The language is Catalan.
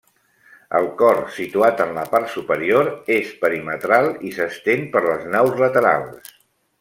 El cor, situat en la part superior, és perimetral i s'estén per les naus laterals.